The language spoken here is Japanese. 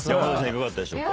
いかがだったでしょう？